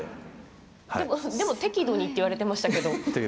適度にって言われてましたね。